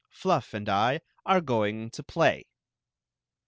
Fluflf and I are going to play."